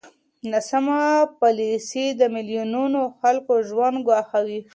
ناسمه پالېسي د میلیونونو خلکو ژوند ګواښي.